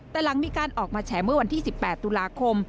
แต่หลังมีการออกมาแฉเมื่อวันที่๑๘ตุลาคม